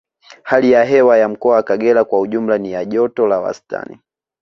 Hali ya hewa mkoa wa Kagera kwa ujumla ni ya joto la wastani